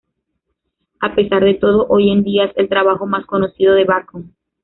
A pesar de todo, hoy en día es el trabajo más conocido de Bacon.